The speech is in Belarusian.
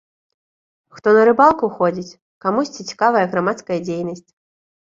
Хто на рыбалку ходзіць, камусьці цікавая грамадская дзейнасць.